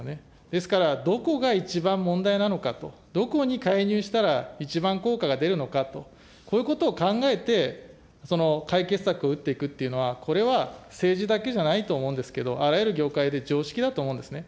ですから、どこが一番問題なのかと、どこに介入したら一番効果が出るのかと、こういうことを考えて、その解決策を打っていくっていうのは、これは、政治だけじゃないと思うんですけど、あらゆる業界で常識だと思うんですね。